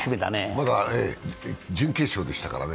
まだ準決勝でしたからね。